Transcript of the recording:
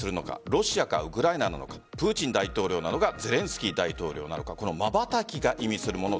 ロシアか、ウクライナなのかプーチン大統領なのかゼレンスキー大統領なのかまばたきが意味するもの